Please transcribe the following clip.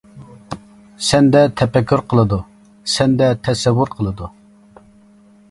سەندە تەپەككۇر قىلىدۇ، سەندە تەسەۋۋۇر قىلىدۇ.